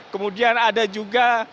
kemudian ada juga